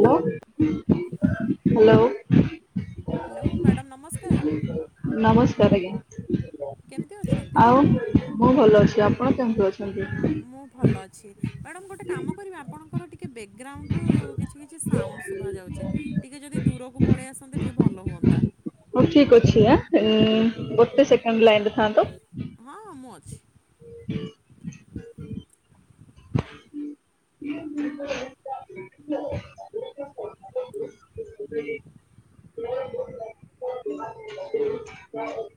Hello. ଲୋ hello. Hello madam ନମସ୍କାର। ନମସ୍କାର୍ କେମିତି ଆଜ୍ଞା। ଅଛନ୍ତି? ଆଉ ମୁଁ ଭଲ ଅଛି ଆପଣ କେମତି ଅଛ୍ ମୁଁ ଭଲ ଅଛି ମାଡ଼ାମ୍ ଗୋଟେ କାମ କରିବେ ଆପଣଙ୍କର ଟିକେ ବେଗ୍ରାଉଣ୍ଡ୍ ରୁ କିଛି ଟିକେ କିଛି ସାଉଣ୍ଡ୍ ଶୁଭା ଯାଉଚି ଟିକେ ଯଦି ଦୂରକୁ ପଳେଇ ଆସନ୍ତେ ଟିକେ ଭଲ ହୁଅନ୍ତା। ହୋ ଠିକ୍ ଅଛି ଆଁ ଏଁ ଗୋଟେ ସେକେଣ୍ଡ୍ ଲାଇନ୍ ରେ ଥାନ୍ତୁ। ହଁ ମୁଁ ଅଛି। ହୁଁ [inaudible] କ୍ୟା ହେ?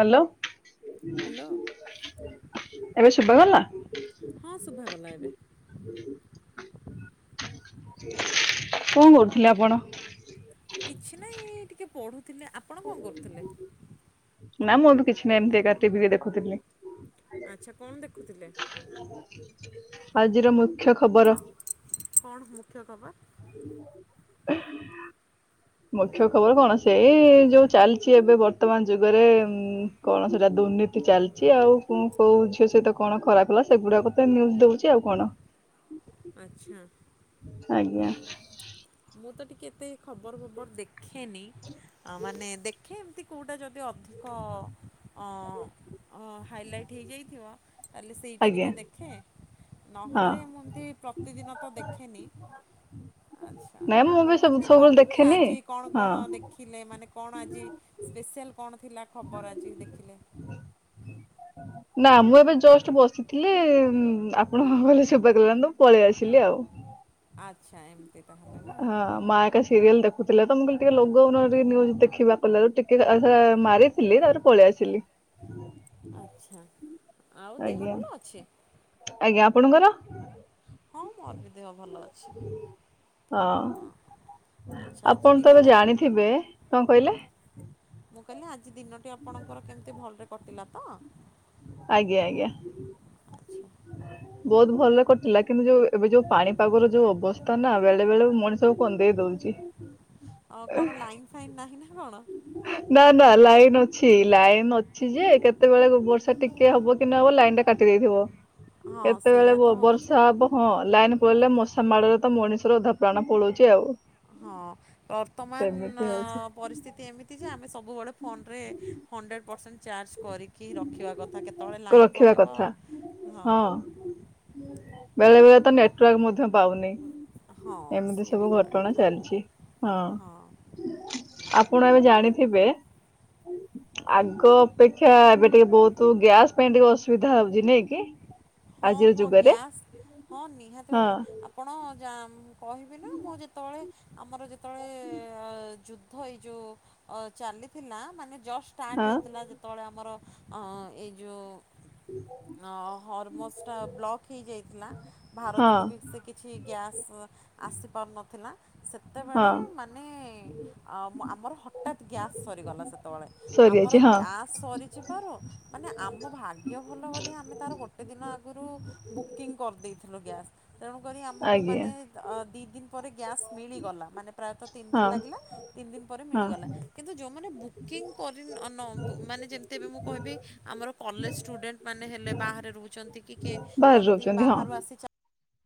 ହାଲୋ। ହେଲୋ। ଏବେ ଶୁବାଗଲା? ହଁ ଶୁଭାଗଲା ଏବେ। ଆମ ଏଠି ନାଁ। କଁ କରୁଥିଲେ ଆପଣ? କିଛି ନାହିଁ ଟିକେ ପଢ଼ୁଥିଲେ ଆପଣ କଁ କରୁଥୁଲେ? ନାଁ ମୁଁ ଏବେ କିଛି ନାହିଁ ଏମତି ଏକା ଟିକେ ଟିଭି ବି ଦେଖୁଥିଲି। ଆଚ୍ଛା କଣ ଦେଖୁଥିଲେ? ଆଜିର ମୁଖ୍ୟ ଖବର। କଣ ମୁଖ୍ୟ ଖବର୍? ଆଜି ବି ମହାଦୀପ ମୁଖ୍ୟ ଖବର କଣ ସେଇ ଯୋଉ ଚାଲଚି ଏବେ ବର୍ତ୍ତମାନ ଯୁଗରେ ଉଁ କଣ ସେଟା ଦୁର୍ନୀତି ଚାଲଚି ଆଉ କୁଁ କୋଉ ଝିଅ ସହିତ କଣ ଖରାପ ହେଲା ସେଗୁଡ଼ାକ ତ ଏ ନ୍ୟୁଜ୍ ଦୋଉଚି ଆଉ କଣ। ଆଚ୍ଛା ଆଜ୍ଞା ଆଉ ମୁଁ ତ ଟିକେ ଏତେ ଖବର ଫବର ଦେଖେନି ମାନେ ଦେଖେ ଏମତି କୋଉଟା ଯ ରେ ଅଧିକ ଅଁ ଅଁ ହାଇଲାଇଟ୍ ହେଇଯାଇଥିବ ତାହେଲେ ସେଇଟା ଆଜ୍ଞା ଟିକେ ଦେଖେ ହଁ ନହେଲେ ମୁଁ ଏମିତି ପ୍ରତିଦିନ ତ ଦେଖେନି। ଆଚ୍ଛା ନାଇଁ ମୁଁ ଆ ବି ସବୁ ମତେ ଟିକେ ସବୁବେଳେ କହିବେ ଦେଖେନି ଆଜି କଣ କଣ ଦେ ହଁ। ଖିଲେ ମାନେ କଣ ଆଜି ସ୍ପେଶିଆଲ୍ କଣ ଥିଲା ଖବର ଆଜି ଦେଖିଲେ। ନା ମୁଁ ଏବେ ଜଷ୍ଟ ବସିଥିଲି ଆପଣ କହିଲେ ଶୁଭା ଗଲାନି ତ ମୁଁ ପଳେଇ ଆସିଲି ଆଉ। ଆଚ୍ଛା ଏମତି ଟା। ହଁ ମା [inaudible] ସିରିଏଲ ଦେଖୁଥିଲେ ତ ମୁଁ କହିଲି ଟିକେ ଲଗଉନ ଟିକେ ନ୍ୟୁଜ ଦେଖିବା କହିଲାରୁ ଟିକେ ସେ ଟା ମାରିଥିଲି ତାରେ ପଳେଇ ଆସିଲି। ଆଛା ଆଉ ଦେହ ଆଜ୍ଞା ଭଲ ଅଛି? ଆଜ୍ଞା ଆପଣଙ୍କର? ହଁ ମୋର ବି ଦେହ ଭଲ ଅଛି। ହଁ ଆପଣ ତ ଏବେ ଜାଣିଥିବେ କଣ କହିଲେ? ମୁଁ କହିଲି ଆଜି ଦିନଟି ଆପଣଙ୍କର କେମିତି ଭଲରେ କଟିଲା ତ। ଆଜ୍ଞା ଆଜ୍ଞା। ବହୁତ ଭଲ ରେ କଟିଲା କିନ୍ତୁ ଯୋଉ ଏବେ ଯୋଉ ପାଣିପାଗର ଯୋଉ ଅବସ୍ଥା ନା ବେଳେ ବେଳେ ମଣିଷବୁ କନ୍ଦେଇ ଦଉଛି। ଆଉ କଣ ଲାଇନ୍ ଫାଇନ୍ ନାହିଁ ନା କଣ? ନା ନା ଲାଇନ ଅଛି ଲାଇନ ଅଛି ଯେ କେତେବେଳେ ବର୍ଷା ଟିକେ ହବ କି ନହବ ଲାଇନ ଟା କାଟି ଦେଇେଇଥିବ। ହଁ କେତେବେଳେ ସେଇଆ ତ ହଉଛି ବର୍ଷା ଆଉ। ହବ ହଁ ଲାଇନ ପଳେଇିଲେ ମଶା ମାଡ଼ରେ ତ ମଣିଷର ଅଧା ପ୍ରାଣ ପଳଉଛି ଆଉ। ହଁ ବର୍ତ୍ତମାନ ସେମିତି ହଉଛି ପରିସ୍ଥିତି ଏମିତି ଏମିତି ଯେ ଆମେ ସବୁବେଳେ ଫୋନରେ ହଣ୍ଡ୍ରେଡ଼୍ ପରସେଣ୍ଟ ଚାର୍ଜ କରି କି ରଖିବା କଥା କେତେବେଳେ ଲାଇନ୍ ରଖିବା ପଳେଇବ। କଥା ହଁ ବେଳେ ବେଳେ ତ ନେଟୱାର୍କ ମଧ୍ୟ ପାଉନି। ହଁ ଏମିତି ସିଏ ବି ସବୁ ଗୋଟେ ଘଟଣା କଥା ଚାଲିଛି। ହଁ ଆପଣ ଏବେ ଜାଣିଥିବେ ଆଗ ଅପେକ୍ଷା ଏବେ ଟିକେ ବହୁତ ଗ୍ୟାସ୍ ପାଇଁ ଟିକେ ଅସୁବିଧା ହଉଛି ନାଇଁ। କି? ହଁ ଆଜିର ହଁ ଯୁଗରେ ଗ୍ୟାସ୍ ହଁ ନିହାତି ହଁ ଭାବରେ ଆପ ପଣ ଯାମ କହିବେନା ମୁଁ ଯେତେବେଳେ ଆମର ଯେତେବେଳେ ଳେ ଯୁଦ୍ଧ ଏଇ ଯୋଉ ଚାଲିଥିଲା ମାନେ ଜଷ୍ଟ ହଁ ଷ୍ଟାର୍ଟ ହେଇଥିଲା ଯେତେବେଳେ ଆମର ଅ ଏଇ ଯୋଉ ହର୍ମୋସ୍ ଟା ବ୍ଲକ୍ ହେଇଯାଇଥିଲା ହଁ ଭାରତକୁ ବି ସେ କି କିଛି ଗ୍ୟାସ୍ ଆସିପାରୁନଥିଲା ସେତେବେଳେ ହଁ ମାନେ ଆଉ ଆମର ହଠାତ୍ ଗ୍ୟାସ୍ ସରିଗଲା ସେତେବେଳେ ଆମର ସରିଯାଇଛି ହଁ ଗ୍ୟାସ୍ ସରି ଚିବାରୁ ମାନେ ଆମ ଭାଗ୍ୟ ଭଲ ବ ଆମେ ତାର ଗୋଟେ ଦିନ ଆଗରୁ ବୁକିଂ କରିଦେଇଥିଲୁ ଗ୍ୟାସ୍ ତେଣୁ କରି ଆମକୁ ଆଜ୍ଞା ମାନେ ଅ ଦି ଦିନ ପରେ ଗ୍ୟାସ୍ ମିଳିଗଲା ମାନେ ପ୍ରାୟତଃ ତିନି ଦିନ ହଁ ଲାଗିଲା ତିନି ଦିନ ପରେ ହଁ ମିଳିଗଲା କିନ୍ତୁ ଯେଉଁମାନେ ବୁକିଂ କରି ନ ମାନେ ଯେମିତି ଏବେ ମୁଁ କହିବି ଆମର କଲେଜ ଷ୍ଟୁଡେଣ୍ଟ। ମାନେ ହେଲେ ବାହାରେ ରହୁଛନ୍ତି କି କିଏ ଅମିତି ବାହାରୁ ଆସି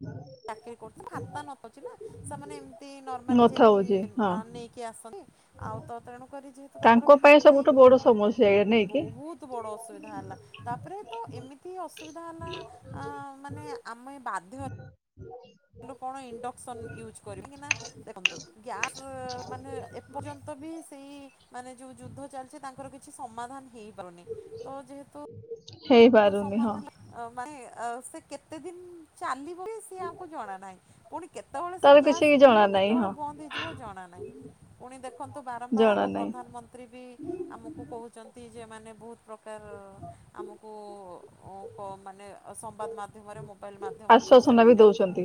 ହୁଁ ଚାକିରି କରୁଥିଲ ହାତ ନପଉଛି ନା ସେମାନେ ଏମିତି ନର୍ମାଲି କଥା ଯାଇକି ହଉଛି ହଁ ଆ ନେଇକି ଆସନ୍ତି ଆଉ ତ ତେଣୁ କରି ଯେ ତ ତାଙ୍କର ତାଙ୍କ ପାଇଁ ଖାତା ସବୁଠୁ ବଡ ସମସ୍ୟା ଏଇଆ ନାହିଁ ନାଇଁ କି? ବହୁତ ବଡ଼ ଅସୁବିଧା ହେଲା। ତାପରେ ତ ଏମିତି ଅସୁବିଧା ହେଲା ଆ ମାନେ ଆମେ ବାଧ୍ୟ ହେ ଲୁ କଣ ଇଣ୍ଡକ୍ସନ ୟୁଜ୍ କରିବୁ। କାହିଁକି ନା ଦେଖନ୍ତୁ ଗ୍ୟାସ ମାନେ ଏପର୍ଯ୍ୟନ୍ତ ବି ସେଇ ମାନେ ଯୋଉ ଯୁଦ୍ଧ ଚାଲିଛି ତାଙ୍କର କି କିଛି ସମାଧାନ ହେଇପାରୁନି ତ ଯେହେତୁ ହେଇପାରୁନି ହଁ ସମାଧାନ ମାନେ ସେ କେତେ ଦିନ୍ ଚାଲିବ କିସ୍ ଇଏ ଆମକୁ ଜଣା ନାହିଁ, ପୁଣି କେତେବେଳେ ସେ ତାର ଗ୍ୟାସ କିଛି ମିଳିବ ଜଣା ନାହିଁ କେତେବେଳେ ହଁ ବନ୍ଦ ହେଇଯିବ ଜଣା ନାହିଁ। ପୁଣି ଦେଖନ୍ତୁ ବାରମ୍ବାର ଆମ ଜଣା ନାହିଁ ପ୍ରଧାନମନ୍ତ୍ରୀ ବି ଆମକୁ କହୁଛନ୍ତି ଯେ ମାନେ ବହୁତ ପ୍ରକାର ର ଆମକୁ କୁ ଉଁ କୁ ମାନେ ସମ୍ବାଦ ମାଧ୍ୟମରେ [inaudible] ମୋବାଇଲ୍ ମାଧ୍ୟମରେ, ସୋସିଆଲ୍ ଆଶ୍ଵାସନା ବି ମିଡ଼ିଆରେ ତ ଦଉଛନ୍ତି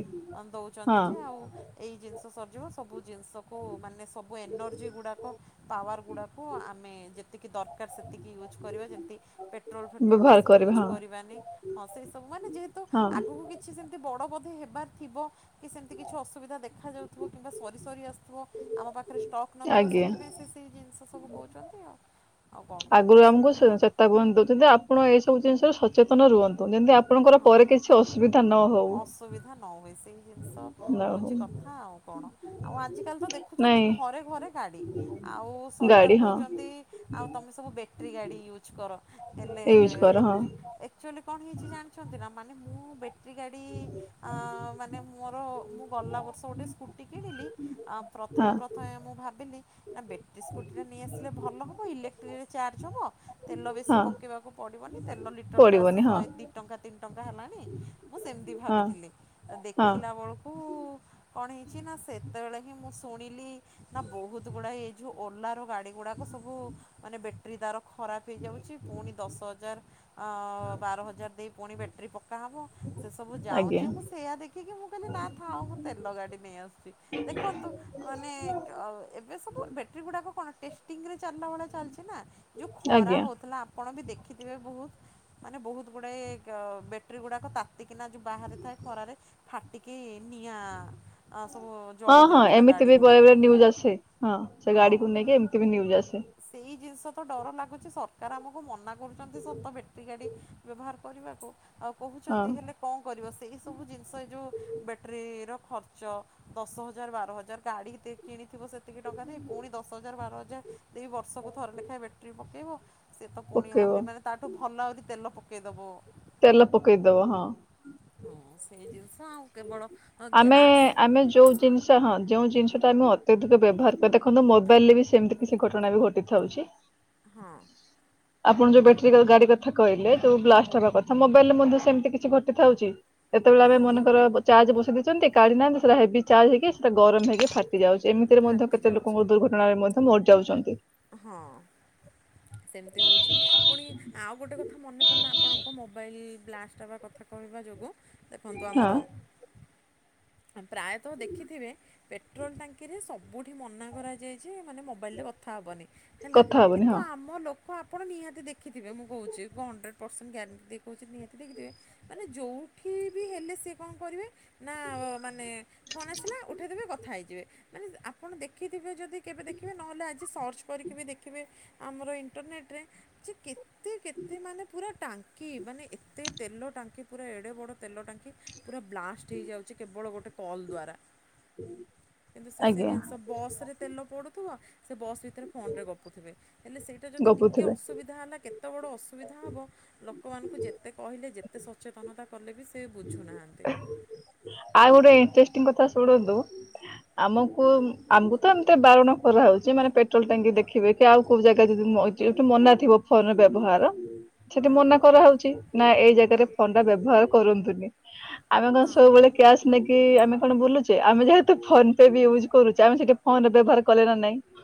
ଦେଉଛନ୍ତି ହଁ ଯେ ଆଉ ଏଇ ଜିନିଷ ସରିଯିବ ସବୁ ଜିନିଷକୁ ମାନେ ସବୁ ଏନର୍ଜି ଗୁଡ଼ାକ ପାୱାର ଗୁଡ଼ାକୁ ଆମେ ଯେତିକି ଦରକାର ସେତିକି ୟୁଜ୍ କରିବା ଯେମିତି ପେଟ୍ରୋଲ ଲ ବ୍ୟବହାର ବେଶି କରିବେ ୟୁଜ୍ ହଁ କରିବାନି। ହଁ ସେ ସବୁ ମାନେ ଯେହେତୁ ହଁ ଆଗକୁ କି କିଛି ସେମିତି ବଡ ବୋଧେ ହେବାର ଥିବ କି ସେମିତି କିଛି ଅସୁବିଧା ଦେଖା ଯାଉଥିବ, କିମ୍ବା ସରି ସରି ଆସୁଥିବ। ଆମ ପାଖରେ ଷ୍ଟକ୍ ନଥିବ, ଆଜ୍ଞା ସେଥିପାଇଁ ସେ ସେଇ ଜିନିଷ ସବୁ କହୁଛନ୍ତି ଆଉ। ଆଉ କଣ କରିବା ଆଗରୁ ଆମକୁ ସେଇଟା ସେ ନା ଚେତାବନୀ ଦଉଛନ୍ତି ଆ ଆପଣ ଏସବୁ ଜିନିଷରେ ସଚେତନ ରୁହନ୍ତୁ। ଯେମିତି ଆପଣଙ୍କର ପରେ କିଛି ଅସୁବିଧା ନହଉ। କ ନହୁଏ ସେଇ ଜିନିଷ ହଉଛି ହଉ କଥା, ଆଉ କଣ? ଆଉ ଆଜିକାଲି ତ ଦେଖୁଛନ୍ତି ନାଇଁ ଘରେ ଘରେ ଗାଡି, ଆଉ ସରକାର ଗାଡି ହଁ କହୁଛନ୍ତି ଆଉ ତମେ ସବୁ ବେଟ୍ରି ଗାଡି ୟୁଜ୍ କର, ହେଲେ ୟୁଜ କର ହଁ ଏକ୍ଚୁଆଲି କଣ ହେଇଛି ଜାଣିଛନ୍ତିନା? ମାନେ ମୁଁ ବେଟ୍ରୀ ଗାଡ଼ି ମାନେ ମୋର ମୁଁ ଗଲା ବର୍ଷ ଗୋଟେ ସ୍କୁଟି କିଣିଲି, ଆ ପ୍ରଥମେ ହଁ ପ୍ରଥମେ ମୁଁ ଭାବିଲି ନା ବ୍ୟାଟେରୀ ସ୍କୁଟି ଟା ନେଇଆସିଲେ ଭଲ ହେବ, ଇଲେକ୍ଟ୍ରିକରେ ଚାର୍ଜ ହେବ, ତେଲ ବେଶୀ ହଁ ପ କୁ ପଡିବନି, ତେଲ ଲିଟର ତ ଆସି ପଡିବନି ହଁ ଶହେ ଦ ଟଙ୍କା ତିନି ଟଙ୍କା ହେଲାଣି, ମୁଁ ସେମିତି ହଁ ଭାବିଥିଲି। ହଁ ଦେଖିଲା ବେଳ ହୁ, କଣ ହେଇଛି ନା ସେତେବେଳେ ହିଁ ମୁଁ ଶୁଣିଲି ନା ବହୁତ ଗୁଡାଏ ହେଇଯିବ, ଓଲାର ଗାଡି ଗୁଡାକ ସବୁ ମାନେ ବେ ରି ଦାର ଖରାପ ହେଇଯାଉଛି। ପୁଣି ଦଶ ହଜାର ବାର ହଜାର ଦେଇ ପୁଣି ବେଟ୍ରୀ ପକାହବ ସେ ସବୁ ଆଜ୍ଞା ଯାଉଛି ମୁଁ ସେଇଆା ଦେଖିକି, ମୁଁ କହିଲି ନା ଥାଉ ମୁଁ ତେଲ ଗାଡ଼ି ନେଇ ଆସୁଛି ଦେଖନ୍ତୁ ମାନେ, ଏବେ ସବୁ ବେଟ୍ରୀ ଗୁଡାକ କଣ ଟେଷ୍ଟିଂରେ ଚାଲିଲା ଭଳିଆ ଚାଲିଛି ନା ଯୋଉ ଖରା ଆଜ୍ଞା ହେଉଥିଲା, ଆପଣ ବି ଦେଖିଥିବେ ବହୁତ ମାନେ ବହୁତ ଗୁଡ଼ଏ ବେ ଟ୍ରୀ ଗୁଡାକ ତାତିକିନା ଯୋଉ ବାହାରେ ଥାଏ ଖରାରେ ଫାଟିକି ନିଆଁ ଆ ସବୁ ଜଳି ଯାଉଥିଲା ଗାଡିରେ। ମୁଁ ଏବେ ନିଉଯ ଆସେ ହଁ, ସେ ଗାଡିକୁ ନେଇକି ଏମିତି ବି ନ୍ୟୁଜ ଆସେ ସେଇ ଜିନିଷ ତ ଡର ଲାଗୁଛି। ସରକାର ଆମକୁ ମନା କହୁଛନ୍ତି ସତ ବଟେରୀ ଗାଡି ବ୍ୟବହାର କରିବାକୁ, ଆଉ ହଁ କହୁଛନ୍ତି ହେଲେ କଣ କରିବ, ସେଇ ସବୁ ଜିନିଷ ଏ ଯୋଉ ବେଟ୍ରୀର ଖର୍ଚ୍ଚ, ଦଶ ହଜାର ବାର ହଜାର ଗାଡ଼ି କିଣିଥିବ ସେତିକି ଟଙ୍କା ଦେଇ, ପୁଣି ଦଶ ହଜାର ବାର ହଜାର ଦେଇ ବର୍ଷକୁ ଥରେ ଲେଖାଏଁ ବେଟ୍ରୀ ପକେଇବ ତ ପୁଣି ପକେଇବ ଆହୁରି ମାନେ ତାଠୁ ଭଲ ଯଦି ତେଲ ପକେଇ ଦବ ତେଲ ପକେଇଦବ, ହଁ। ହଁ ସେଇ ଜିନିଷ, ଆଉ କେବଳ ହଁ ଆମେ ଗ୍ୟାସ୍ ଆମେ ଯୋଉ ଜିନିଷ ହଁ ଯୋଉ ଜିନିଷଟା ଆମେ ଅତ୍ୟଧିକ ବ୍ୟବହାର କରିବା ଦେଖନ୍ତୁ ମୋବାଇଲରେ ବି ସେମିତି କିଛି ଘଟଣା ବି ଘଟିଥାଉଛି। ହଁ ହଁ [inaudible] ଆପଣ ଯୋଉ ବ୍ୟାଟେରୀ ଗାଡି କଥା କହିଲେ ଯୋଉ ବ୍ଲାଷ୍ଟ ହବା କଥା ମୋବାଇଲ ରେ ମଧ୍ୟ ସେମିତି କିଛି ଘଟିଥାଉଛି। ଏତେବେଳେ ହଁ ଆମେ ମନେକର ନିହାତି। ଚାର୍ଜ ବସେ ଦେଇଛନ୍ତି କାଢି ନାହାନ୍ତି ସେଟା ହେବି ଚାର୍ଜଇକି ସେଟା ଗରମ ହେଇକି ଫ ଟି ଯାଉଛି ଏମିତିରେ ମଧ୍ୟ ଫାଟି କେତେ ଯାଉଛି ଲୋକଙ୍କ ଦୁର୍ଘଟଣାରେ ମଧ୍ୟ ମରିଯାଉଛନ୍ତି। ହଁ। ସେମିତି ହେଉଛି ପୁଣି ଆଉ ଗୋଟେ କଥା ମନେ ପଡ଼ିଲା ଆପଣଙ୍କ ମୋବାଇଲ୍ ବ୍ଲାଷ୍ଟ ହେବା କଥା ଶୁଣିବା ଯୋଗୁ ଦେଖନ୍ତୁ ହଁ ଆମର ପ୍ରାୟତଃ ଦେଖିଥିବେ ପେଟ୍ରୋଲ୍ ଟାଙ୍କିରେ ସବୁଠି ମନା କରାଯାଏ ଯେ ମାନେ ମୋବାଇଲ କଥା ହବନି ହେଲା କଥା ହବନି କିନ୍ତୁ ହଁ ଆମ ଲୋ କୁହ ଆପଣ ନିହାତି ଦେଖିଥିବେ ମୁ କହୁଛି କହ ହଣ୍ଡ୍ରେଡ଼୍ ପରସେଣ୍ଟ ଗ୍ୟାରେଣ୍ଟି ଦେଇ କହୁଛି ନିହାତି ଦେଖିଥିବେ। ମାନେ ଯୋଉଠି ବି ହେଲେ ସେ କଣ କରିବେ। ନା ମାନେ ଫୋନ୍ ଆସିଲା ଉଠେଇଦେବେ କଥା ହେଇଯିବେ। ମାନେ ଆପଣ ଦେଖିଥିବେ ଯଦି କେବେ ଦେଖିବେ ନହେଲେ ଆଜି ଯେ ସର୍ଚ୍ଚ କରିକି ବି ଦେଖିବେ ଆମର ଇଣ୍ଟରନେଟେରେ ଯେ କେତେ କେତେ ମାନେ ପୁରା ଟାଙ୍କି ମାନେ ଏତେ ତେଲ ଟାଙ୍କି ପୁରା ଏଡେ ବଡ଼ ତେଲ ଟାଙ୍କି। ପୁରା ବ୍ଲାଷ୍ଟ ହେଇଯାଉଛି କେବଳ ଗୋଟେ କଲ୍ ଦ୍ଵାରା। କିନ୍ତୁ ସେ ସେ ଆଜ୍ଞା ଜିନିଷ ବସ ରେ ତେଲ ପଡୁଥିବ ସେ ବସ୍ ଭିତରେ ଫୋନ ରେ ଗପୁଥିବେ। ହେଲେ ସେଇଟା ଯଦି ଟିକିଏ ଗପୁଥିବେ। ଅସୁବିଧା ହେଲା କେତେ ବଡ଼ ଅସୁବିଧା ହବ ଲୋକମାନଙ୍କୁ ଯେତେ କହିଲେ ଯେତେ ସଚେତନତା କଲେ ବି ସେ ବୁଝୁନାହାନ୍ତି। ଆଉ ଗୋଟେ ଇଣ୍ଟରେଷ୍ଟିଙ୍ଗ କଥା ଶୁଣନ୍ତୁ। ଆମକୁ ଆମକୁ ତ ଏମତି ବାରଣ କରାହଉଛି ମାନେ ପେଟ୍ରୋଲ ଟାଙ୍କି ଦେଖ୍ ଖିବେ କି ଆଉ କୋଉ ଜାଗା ଯଦି ମ ଜ ମନା ଥିବ ଫୋନର ବ୍ୟବହାର ସେଠି ମନା କରାହେଉଛି ନା ଏଇ ଜାଗାରେ ଫୋନ୍ ଟା ବ୍ୟବହାର କରନ୍ତୁନି। ଆମେ କଣ ହଁ ସବୁବେଳେ କ୍ୟାସ୍ ନେଇକି ଆମେ କଣ ବୁଲୁଚେ ଆମେ ଯେହେତୁ ଫୋନ ପେ ବି ୟୁଜ୍ କରୁଛେ। ଆମେ ସେଠି ଫୋନରେ ବ୍ୟବହାର କଲେ ନା ନାଇଁ।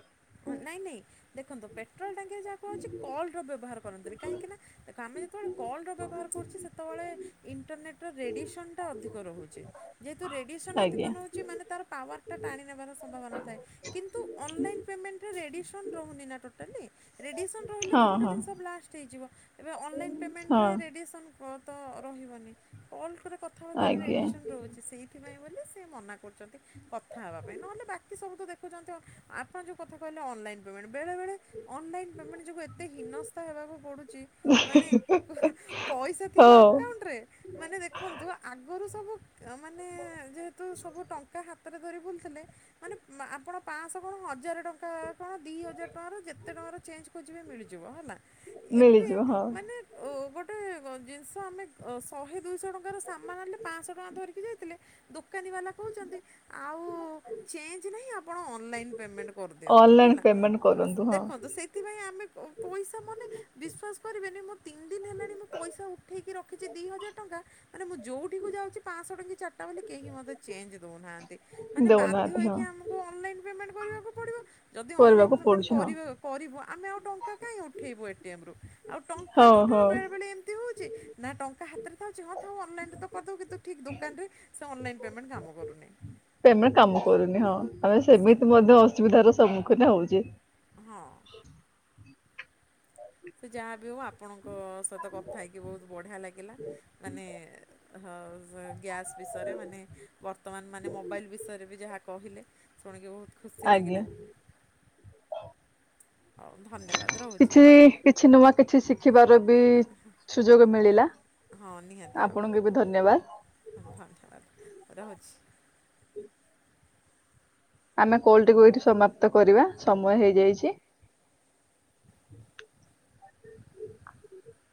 ନାଇଁ ନାଇଁ ଦେଖନ୍ତୁ ପେଟ୍ରୋଲ ଟାଙ୍କିରେ ଯାହା କୁହାହୋଉଛି କଲର ବ୍ୟବହାର କରନ୍ତୁନି। କାହିଁକି ନା ଦେଖ ଆମେ ଯେତେବେଳେ କଲ୍ ର ବ୍ୟବହାର କରୁଚି ସେତ୍ ତେଳେ ଇଣ୍ଟରନେଟର ରେଡ଼ିଏସନ୍ଟା ଅଧିକ ରହୁଛି। ଯେହେତୁ ରେଡ଼ିଏସନ୍ ଅଧିକ ଆଜ୍ଞା ନୋଉଛି ମାନେ ତାର ପାୱାରଟା ଟାଣି ନେବାର ସମ୍ଭାବନା ଥାଏ କିନ୍ତୁ ଅନଲାଇନ୍ ପେମେଣ୍ଟରେ ରେଡିଏସନ୍ ରହୁନି ନା ଟୋଟାଲି ରେଡିଏସନ୍ ରହିଲେ ହଁ ତ ଗୋଟେ ହଁ ଜିନିଷ ବ୍ଲାଷ୍ଟ ହେଇଯିବ। ଏବେ ଅନଲାଇନ୍ ହଁ ପେମେଣ୍ଟରେ ରେଡ଼ିଏସନ୍ କ ତ ରହିବନି କଲ କଲେ କ ଥା ବାର୍ତ୍ତାରେ ଆଜ୍ଞା ରେଡ଼ିଏସନ୍ ରହୁଛି। ସେଇଥିପାଇଁ ବୋଲି ସେ ମନା କରୁ ଛନ୍ତି କଥା ହବାପାଇଁ। ନହେଲେ ବାକି ସବୁ ତ ଦେଖୁଛନ୍ତି ଆପଣ ଯୋଉ କଥା କହିଲେ ଅନଲାଇନ ପେମେଣ୍ଟ ବେଳେ ବେଳେ ଅନଲାଇନ ପେମେଣ୍ଟ ଯୋଗୁ ଏତେ ହୀନସ୍ତା ହେବାକୁ ପଡୁଛି। ମାନେ ପଇସା ଥିବ ହଉ ଆକାଉଣ୍ଟ ରେ ମାନେ ଦେଖନ୍ତୁ ଆଗରୁ ସବୁ କ ମାନେ ଯେହେତୁ ସବୁ ଟଙ୍କା ହା ତକ ଧରି ବୁଲୁଥିଲେ ମାନେ ଆପଣ ପାଞ୍ଚଶହ କଣ ହଜାର ଟଙ୍କା କଣ ଦି ହଜାର ଟଙ୍କାର ଯେତେ ଟଙ୍କାର ଚେଞ୍ଜ ଖୋଯିବେ ମିଳିଯିବ ହେଲା ଏବେ ମିଳିଯିବ ହଁ ମାନେ ଅ ଗୋଟେ କଣ ଅ ଜିନିଷ ଆମେ ଅ ଶହେ ଦୁଇଶହ ଟଙ୍କାର ସାମାନ ଆଣିଲେ ପାଞ୍ଚଶହ ଟଙ୍କା ଧରିକି ଯାଇଥିଲେ ଦୋକାନୀ ବାଲା କହୁଛନ୍ତି ଆଉ ଚେଞ୍ଜ ନାହିଁ ଆପଣ ଅନଲାଇନ୍ ପେମେଣ୍ଟ କରିଦିଅନ୍ତୁ ଅନଲାଇନ ହେଲା ପେମେଣ୍ଟ କରନ୍ତୁ ହଁ ଦେଖନ୍ତୁ ସେଇଥିପାଇଁ ଆମେ ପଇସା ମାନେ ବିସ୍ୱାସ କରିବେନି ମୁଁ ତିନି ଦିନ ହେଲାଣି ମୁଁ ପଇସା ଉଠେଇକି ରଖିଛି ଦିଇ ହଜାର ଟଙ୍କା। ମାନେ ମୁଁ ଯୋଉଠିକୁ ଯାଉଚି ପାଞ୍ଚଶହ ଟଙ୍କି ଚାରିଟା ବୋଲି କେହି ମୋତେ ଚେଞ୍ଜ ଦେଉନାହାନ୍ତି। ମାନେ ବାଧ୍ୟ ଦଉନାହାନ୍ତି ହଁ ହୋଇକି ଆମକୁ ଅନଲାଇନ୍ ପେମେଣ୍ଟ କରିବାକୁ ପଡ଼ିବ ଯଦି ଅନଲାଇନ୍ କରିବାକୁ ପେମେଣ୍ଟ ପଡୁଛି ହଁ କରିବ କରିବୁ ଆମେ ଆଉ ଟଙ୍କା କାହିଁ ଉଠେଇବୁ ଏ ଟି ଏମ ରୁ ଆଉ ଟଙ୍କା ହଁ ହଁ ନଉଠାରୁ ବେଳେବେଳେ ଏମ ଏମିତି ହୋଉଛି ନା ଟଙ୍କା ହାତରେ ଥାଉଛି ହଁ ଥାଉ ଅନଲାଇନ୍ରରେ ତ କରିଦେଉ କିନ୍ତୁ ଠିକ୍ ଦୋକାନରେ ସେ ଅନଲାଇନ ପେମେଣ୍ଟ କାମ କରୁନି। ପେମେଣ୍ଟ କାମ କରୁନି ହଁ ଆମେ ସେମ ସେମିତି ମଧ୍ୟ ଅସୁବିଧାର ସମ୍ମୁଖୀନ ହୋଉଚେ। ହଁ। ସେ ଯାହା ବିି ହଉ ଆପଣଙ୍କ ସହିତ କଥା ହେଇକି ବହୁତ ବଢ଼ିଆ ଲାଗିଲା। ମାନେ ହ ଜ ଗ୍ୟାସ୍ ବିଷୟରେ ମାନେ ବର୍ତ୍ତମାନ ମାନେ ମୋବାଇଲ ବିଷୟରେ ବି ଯାହା କହିଲେ ଶୁଣିକି ବହୁତ ଖୁସି ଆଜ୍ଞା। ଲାଗିଲା। ହଉ ଧନ୍ କିଛି କିଛି ନୂଆ କିଛି ଶିଖିବାର ବି ସୁଯୋଗ ମିଳିଲା। ହଁ ନିହାତି ଭାବରେ ଆପଣଙ୍କୁ ବି ଧନ୍ୟବାଦ ହୁଁ ଧନ୍ୟବାଦ ରହୁଛି। ଆମେ କୋଲ ଟିକୁୁ ଏଇଠି ସମାପ୍ତ କରିବା ସମୟ ହେଇଯାଇଚି। [inaudible]